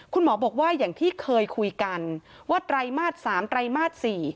คุณหมอบอกว่าอย่างที่เคยคุยกันว่าไตรมาส๓ไตรมาส๔